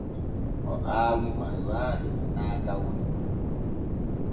O aawi maywaari naa gawri.